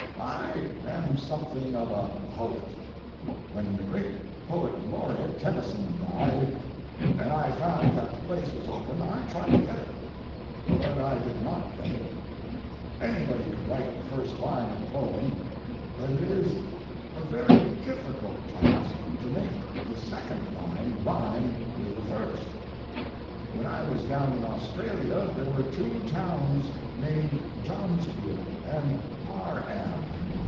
I am something of a poet. When the great poet laureate, Tennyson, died, and I found that the place was open, I tried to get it—but I did not get it. Anybody can write the first line of a poem, but it is a very difficult task to make the second line rhyme with the first. When I was down in Australia there were two towns named Johnswood and Par am.